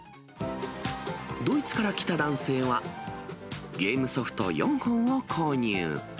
ドイツから来た男性は、ゲームソフト４本を購入。